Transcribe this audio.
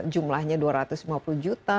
jumlahnya dua ratus lima puluh juta